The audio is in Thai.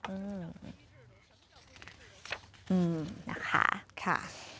อืมนะคะ